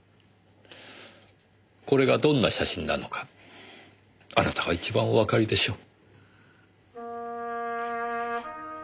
これがどんな写真なのかあなたが一番おわかりでしょう。